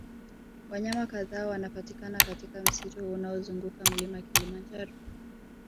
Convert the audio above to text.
Wanyama kadhaa wanapatikana katika msitu unaozunguka mlima kilimanjaro